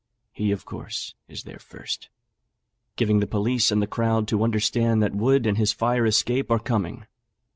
He, of course, is there first, giving the police and the crowd to understand that Wood and his fire escape are coming.